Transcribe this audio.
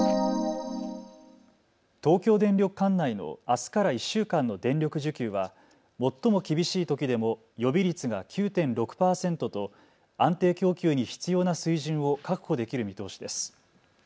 東京電力管内のあすから１週間の電力需給は最も厳しいときでも予備率が９．６％と安定供給に必要な水準を確保できる見通しです。